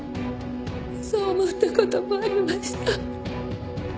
そう思った事もありました。